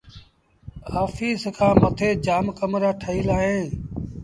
آڦيٚس کآݩ مٿي جآم ڪمرآ ٺهيٚل اوهيݩ